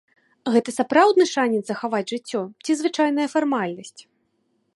Гэта сапраўдны шанец захаваць жыццё ці звычайная фармальнасць?